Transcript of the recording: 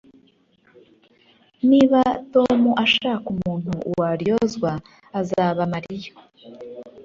Niba Tom ashaka umuntu waryozwa azaba Mariya